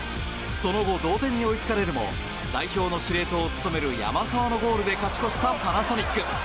その後、同点に追いつかれるも代表の司令塔を務める山沢のゴールで勝ち越したパナソニック。